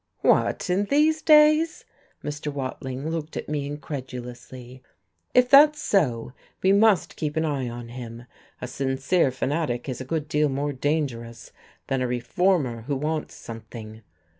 "What, in these days!" Mr. Watling looked at me incredulously. "If that's so, we must keep an eye on him, a sincere fanatic is a good deal more dangerous than a reformer who wants something.